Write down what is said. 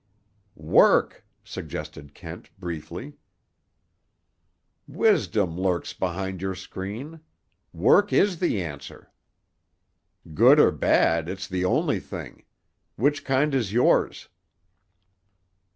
"Work," suggested Kent briefly. "Wisdom lurks behind your screen. Work is the answer." "Good or bad, it's the only thing. Which kind is yours?"